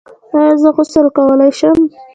ایا زه غسل کولی شم؟